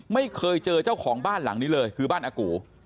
ไม่เคยเจอเจ้าของบ้านหลังนี้เลยคือบ้านอากู